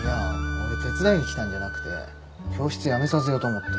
俺手伝いに来たんじゃなくて教室やめさせようと思って。